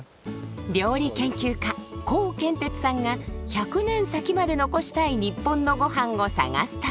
料理研究家コウケンテツさんが１００年先まで残したい日本のゴハンを探す旅。